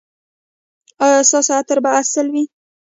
ایا ستاسو عطر به اصیل وي؟